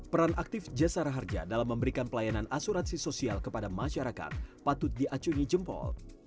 peran aktif jasara harja dalam memberikan pelayanan asuransi sosial kepada masyarakat patut diacungi jempol